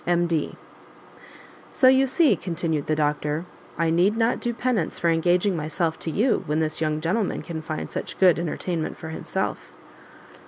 M.D. "So you see," continued the doctor, "I need not do penance for engaging myself to you, when this young gentleman can find such good entertainment for himself."